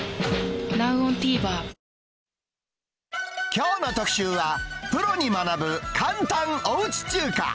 きょうの特集は、プロに学ぶ簡単おうち中華。